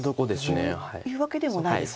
そういうわけでもないですか。